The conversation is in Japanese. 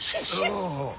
ああ。